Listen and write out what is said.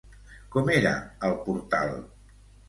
Com era el portal?